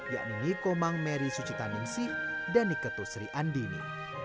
yakni nikomang meri suci taningsih dan niketu sri andini